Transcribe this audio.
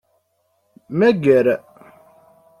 Mager.